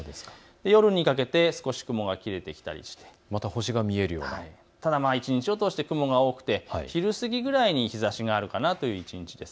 夜にかけて少し雲が切れてきたり、ただ一日を通して雲が多くて昼過ぎくらいに日ざしがあるかなという一日です。